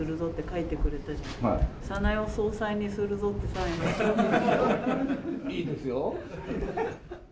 いいですよ。